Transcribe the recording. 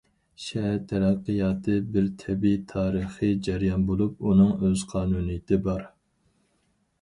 شەھەر تەرەققىياتى بىر تەبىئىي تارىخىي جەريان بولۇپ، ئۇنىڭ ئۆز قانۇنىيىتى بار.